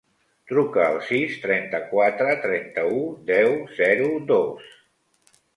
Truca al sis, trenta-quatre, trenta-u, deu, zero, dos.